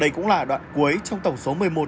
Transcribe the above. đây cũng là đoạn cuối trong tổng số